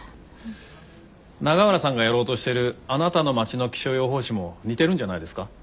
永浦さんがやろうとしてる「あなたの町の気象予報士」も似てるんじゃないですか？